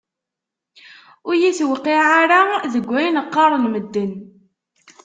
Ur yi-tewqiε ara deg ayen qqaren medden.